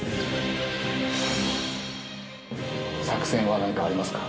作戦はなんかありますか？